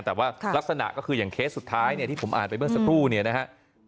แต่ว่ารักษณะก็คืออย่างเคสสุดท้ายเนี่ยที่ผมอ่านไปเมื่อสักครู่เนี่ยนะฮะ